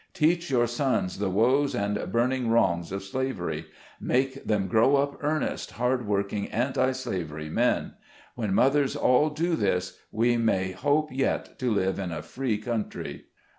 Teach your sons the woes and burning wrongs of slavery; make them grow up earnest, hard working anti slavery men. When mothers all do this, we may hope yet to live in a free country.